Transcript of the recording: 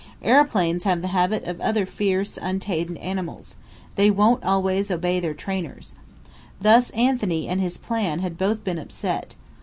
Aeroplanes have the habits of other fierce, untamed animals: they won't always obey their trainers. Thus Anthony and his plan had both been upset.